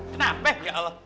kenapa ya allah